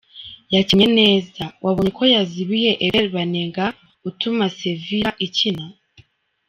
Yakinnye neza wabonye ko yazibiye Ever Banega utuma Sevilla ikina.